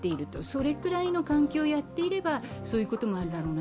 それくらいの環境をやっていればそういうこともあるだろう。